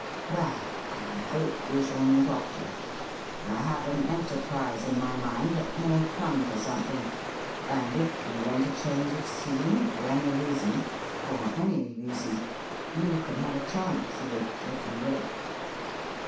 ' Well, I hope we shall meet often. I have an enter prise in my mind that may come to something, and if you want a change of scene, for any reason — for any reason — you can have a chance of it, if you will.'